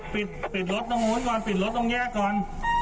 ปิดรถตรงแยกก่อน